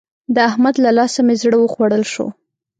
د احمد له لاسه مې زړه وخوړل شو.